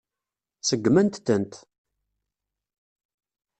Seggment-tent.